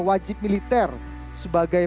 wajib militer sebagai